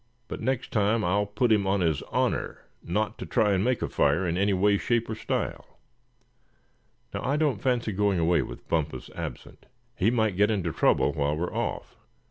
But next time I'll put him on his honor not to try and make a fire in any way, shape or style. Now, I don't fancy going away with Bumpus absent. He might get into trouble while we were off.